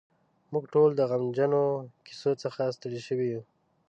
موږ ټول د غمجنو کیسو څخه ستړي شوي یو.